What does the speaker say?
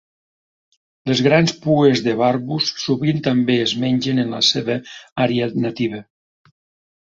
Les grans pues de "Barbus" sovint també es mengen en la seva àrea nativa.